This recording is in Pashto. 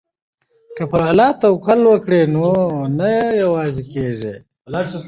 که پر الله توکل وکړو نو نه یوازې کیږو.